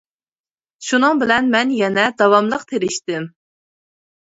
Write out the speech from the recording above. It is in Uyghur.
شۇنىڭ بىلەن مەن يەنە داۋاملىق تىرىشتىم.